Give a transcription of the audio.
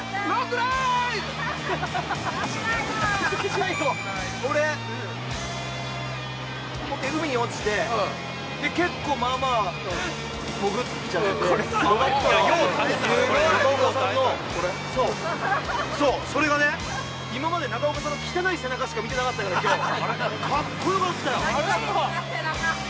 ◆最後、俺、海に落ちて、結構まあまあ潜っちゃって、上がったら、中岡さんのそう、それがね、今まで中岡さんの汚い背中しか見てなかったから、かっこよかったよ。